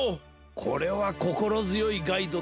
これはこころづよいガイドだな。